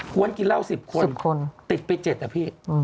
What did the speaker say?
กวนกินเหล้า๑๐คนติดไป๗อ่ะพี่